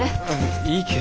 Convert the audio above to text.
いいけど。